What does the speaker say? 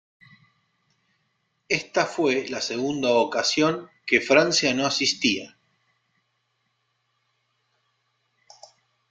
Esta fue la segunda ocasión que Francia no asistía.